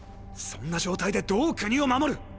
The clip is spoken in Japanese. そんな状態でどう国を守る？